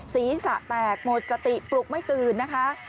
ศีรษะแตกหมดสติปลุกไม่ตื่นนะคะ